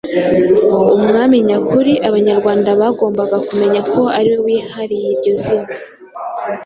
Umwami nyakuri, Abanyarwanda bagombaga kumenya ko aliwe wihariye iryo zina